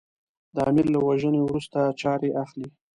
د امیر له وژنې وروسته چارې اخلي.